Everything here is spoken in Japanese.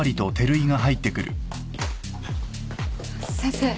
先生。